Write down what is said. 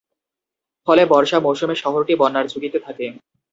ফলে বর্ষা মৌসুমে শহরটি বন্যার ঝুঁকিতে থাকে।